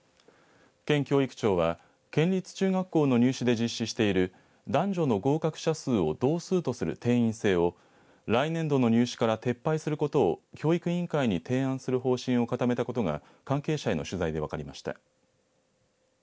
県教育庁は県立中学校の入試で実施している男女の合格者数を同数とする定員制を来年度の入試から撤廃することを教育委員会に提案する方針を固めたことが関係者への取材で分かりました。